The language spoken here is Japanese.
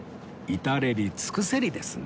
至れり尽くせりですね